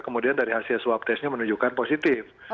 kemudian dari hasil swab testnya menunjukkan positif